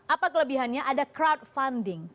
apa kelebihannya ada crowdfunding